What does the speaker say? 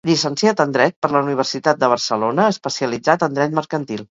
Llicenciat en Dret per la Universitat de Barcelona especialitzat en dret mercantil.